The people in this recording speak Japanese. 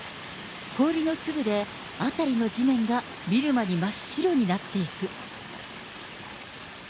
氷の粒で、辺りの地面が見る間に真っ白になっていく。